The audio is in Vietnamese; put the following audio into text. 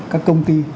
các công ty